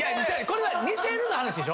これは似てるの話でしょ。